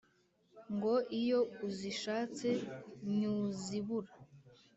ngo iyo uzishatse nyuzibura